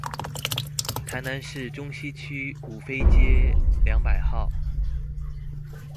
台南市中西區五妃街兩百號